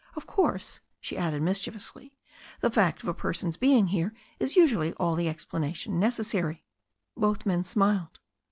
Of course," she added mischievously, "the fact of a person's being here is usually all the explanation necessary." Both men smiled.